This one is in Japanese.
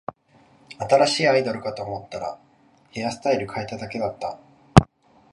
新しいアイドルかと思ったら、ヘアスタイル変えただけだった